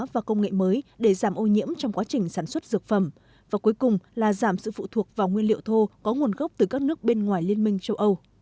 và cuối cùng là giảm sự phụ thuộc vào nguyên liệu thô có nguồn gốc từ các nước bên ngoài liên minh châu âu